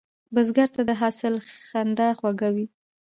بزګر ته د حاصل خندا خوږه وي